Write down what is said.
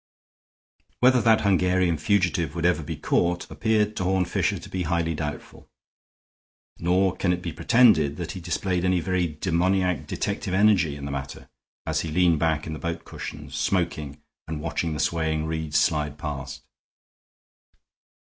Whether that Hungarian fugitive would ever be caught appeared to Horne Fisher to be highly doubtful; nor can it be pretended that he displayed any very demoniac detective energy in the matter as he leaned back in the boat cushions, smoking, and watching the swaying reeds slide past.